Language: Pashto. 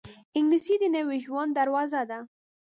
انګلیسي د نوې نړۍ دروازه ده